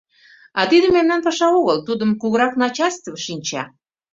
— А тиде мемнан паша огыл, тудым кугурак начальстве шинча.